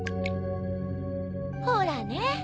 ほらね。